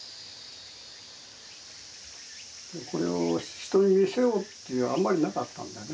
これを人に見せようっていうのはあんまりなかったんだよね